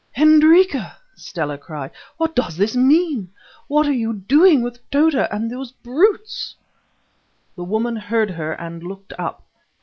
"Hendrika," Stella cried, "what does this mean? What are you doing with Tota and those brutes?" The woman heard her and looked up.